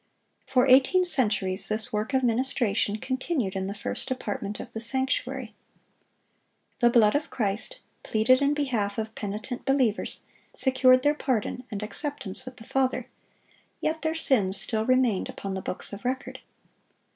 (694) For eighteen centuries this work of ministration continued in the first apartment of the sanctuary. The blood of Christ, pleaded in behalf of penitent believers, secured their pardon and acceptance with the Father, yet their sins still remained upon the books of record.